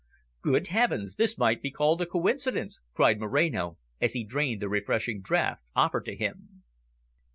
"Good heavens, this might be called a coincidence," cried Moreno, as he drained the refreshing draught offered to him.